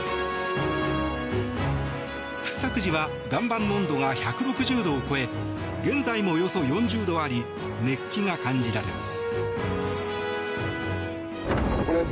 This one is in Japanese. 掘削時は岩盤の温度が１６０度を超え現在もおよそ４０度あり熱気が感じられます。